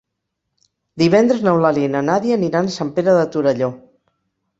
Divendres n'Eulàlia i na Nàdia aniran a Sant Pere de Torelló.